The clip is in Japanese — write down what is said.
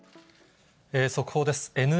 速報です。